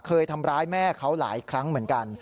เคยทำร้ายแม่เขาหลายครั้งเหมือนกัน